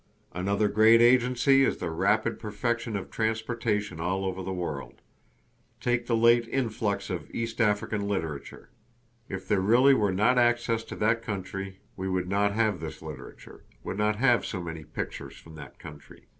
Another great agency is the rapid perfection of transportation all over the world. Take the late influx of East African literature. If there really were not access to that country we would not have this literature, would not have so many pictures from that country.